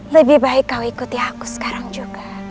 lebih baik kau ikuti aku sekarang juga